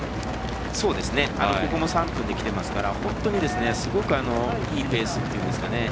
ここも３分で来てますから本当にすごくいいペースというんですかね